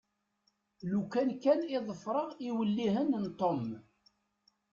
Lufan kan i ḍefreɣ iwellihen n Tom.